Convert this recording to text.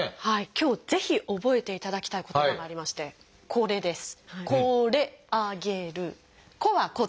今日ぜひ覚えていただきたい言葉がありましてこれです。